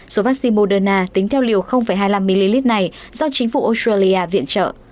số vaccine moderna tính theo liều hai mươi năm ml này do chính phủ australia viện trợ